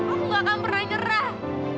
aku gak akan pernah nyerah